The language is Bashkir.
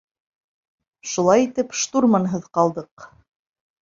Шулай итеп, штурманһыҙ ҡалдыҡ.